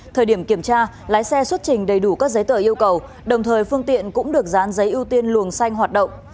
thời điểm kiểm tra lái xe xuất trình đầy đủ các giấy tờ yêu cầu đồng thời phương tiện cũng được dán giấy ưu tiên luồng xanh hoạt động